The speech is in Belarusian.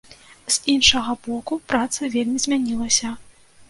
З іншага боку, праца вельмі змянілася.